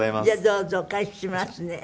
どうぞお返ししますね。